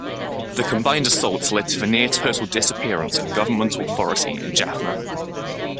The combined assaults led to the near-total disappearance of government authority in Jaffna.